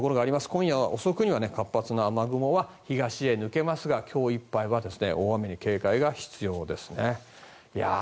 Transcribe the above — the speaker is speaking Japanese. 今夜遅くには活発な雨雲は東へ抜けますが今日いっぱいは大雨に警戒が必要ですね。